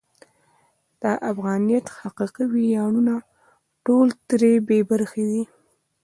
د افغانیت حقیقي ویاړونه ټول ترې بې برخې دي.